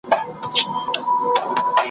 غوټۍ مي وسپړلې `